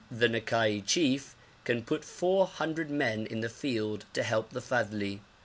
The Nakai chief can put four hundred men in the field to help the Fadhli.